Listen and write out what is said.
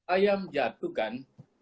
ayam jatuh kan